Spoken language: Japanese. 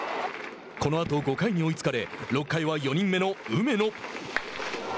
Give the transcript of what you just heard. このあと５回に追いつかれ６回は４人目の梅野。